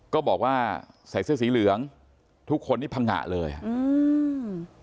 ก็บอกว่าใส่เสื้อสีเหลืองทุกคนนี่พังงะเลยอืม